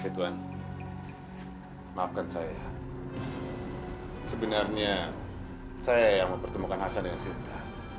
hei tuan maafkan saya sebenarnya saya yang mempertemukan hasan dengan sinta